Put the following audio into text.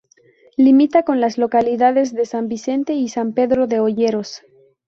Limita con las localidades de San Vicente y San Pedro de Olleros.